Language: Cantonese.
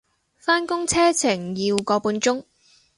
返工車程要個半鐘